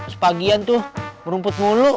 sepagihan tuh merumput mulu